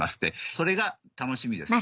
それが楽しみです。